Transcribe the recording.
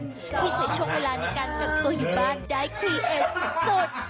ที่จะที่ใช้ช่วงเวลาการเกลือคุยอยู่บ้านได้พิเศษสุด